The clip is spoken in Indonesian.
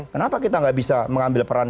kenapa kita nggak bisa mengambil peran